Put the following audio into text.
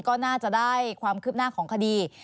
ก็น่าจะได้ความคืบหน้าของคดี